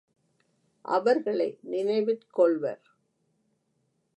அவர்களை நினைவிற் கொள்வர்.